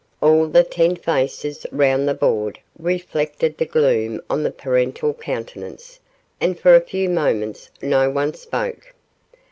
All the ten faces round the board reflected the gloom on the parental countenance, and for a few moments no one spoke.